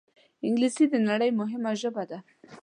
انګلیسي د نړۍ مهمه ژبه ده